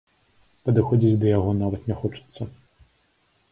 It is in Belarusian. Падыходзіць да яго нават не хочацца.